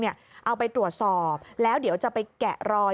เอาไปตรวจสอบแล้วเดี๋ยวจะไปแกะรอย